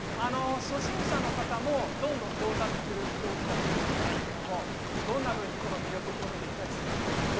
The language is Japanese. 初心者の方もどんどん上達するスポーツだということなんですけれども、どんなふうにこの魅力を広げていきたいですか。